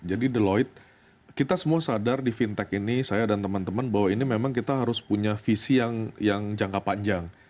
jadi deloitte kita semua sadar di fintech ini saya dan teman teman bahwa ini memang kita harus punya visi yang jangka panjang